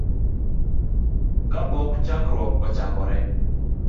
kapok chokruok ochakore.